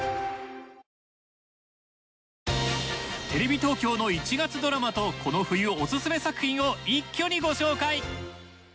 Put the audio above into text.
テレビ東京の１月ドラマとこの冬オススメ作品を一挙にご紹介。